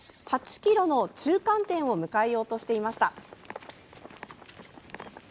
８ｋｍの中間点を迎えようとしていました。